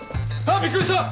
びっくりした！